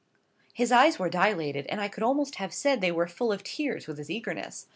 His eyes were dilated, and I could almost have said they were full of tears with his eagerness.